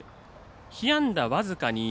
被安打僅かに１。